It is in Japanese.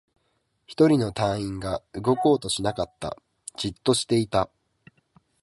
一人の隊員が動こうとしなかった。じっとしていた。